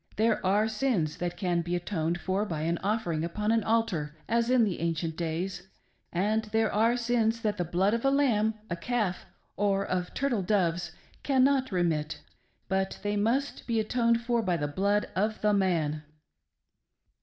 There are sins that can be atoned for by an offering upon an altai, as in ancieift days ; and there are sins that the blood of a lamb, of a calf, or of turtle doves cannot rehiit, but they must be atoned for by the blood of the man."